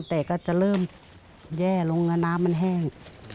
แต่ก็จะเริ่มแย่ลงแล้วน้ำมันแห้ง